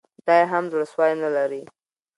دی هم زړه سوی نه لري